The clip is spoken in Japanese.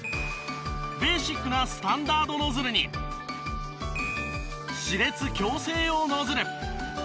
ベーシックなスタンダードノズルに歯列矯正用ノズル。